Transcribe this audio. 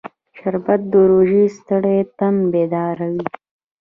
شربت د روژې ستړی تن بیداروي